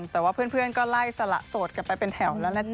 แต่ว่าเพื่อนก็ไล่สละโสดกลับไปเป็นแถวแล้วนะจ๊